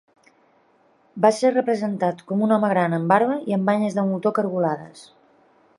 Va ser representat com un home gran amb barba i amb banyes de moltó cargolades.